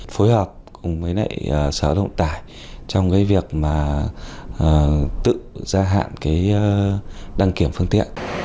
phối hợp với sở độ tải trong việc tự ra hạn đăng kiểm phương tiện